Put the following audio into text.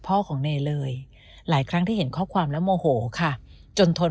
พ่อของเนยเลยหลายครั้งที่เห็นข้อความแล้วโมโหค่ะจนทน